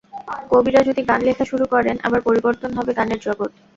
কবিরা যদি গান লেখা শুরু করেন, আবার পরিবর্তন হবে গানের জগৎ।